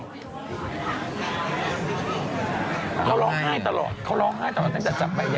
เขาร้องไห้ตะลอดเขาร้องไห้ตะลอด